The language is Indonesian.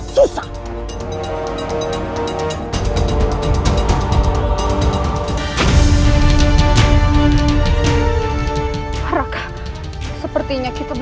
saya yang membuat rian untuk kalian